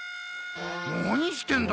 何してんだ？